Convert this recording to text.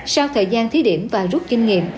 sau thời gian thí điểm và rút kinh nghiệm